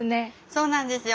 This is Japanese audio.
そうなんですよ。